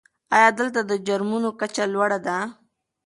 آیا دلته د جرمونو کچه لوړه ده؟